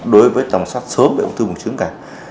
đối với tầm soát sớm của ung thư buồng trứng cả